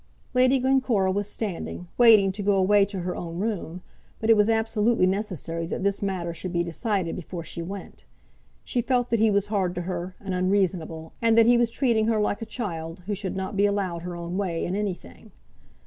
Lady Glencora was standing, waiting to go away to her own room, but it was absolutely necessary that this matter should be decided before she went. She felt that he was hard to her, and unreasonable, and that he was treating her like a child who should not be allowed her own way in anything.